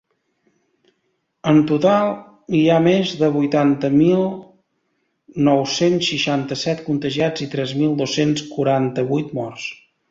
En total hi ha més de vuitanta mil nou-cents seixanta-set contagiats i tres mil dos-cents quaranta-vuit morts.